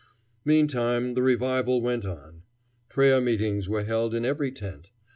Meantime the revival went on. Prayer meetings were held in every tent.